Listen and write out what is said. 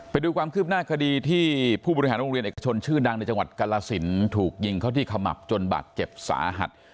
ไปดูความคืบหน้าคดีที่ผู้บริหารโรงเรียนเอกชนชื่อดังในจังหวัดกรสินถูกยิงเข้าที่ขมับจนบาดเจ็บสาหัส